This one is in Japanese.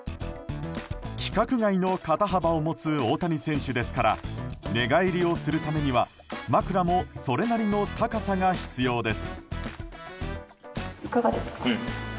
規格外の肩幅を持つ大谷選手ですから寝返りをするためには枕もそれなりの高さが必要です。